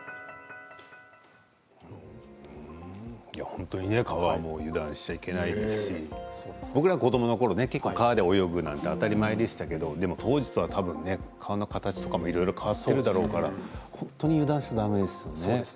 本当に川は油断しちゃいけないですし僕が子どものころによく川で泳ぐのは当たり前でしたけども当時と川の形とか、いろいろ変わっているだろうから本当に油断したらだめですね。